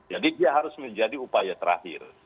jadi dia harus menjadi upaya terakhir